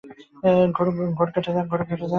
ঘোর কেটে যাক।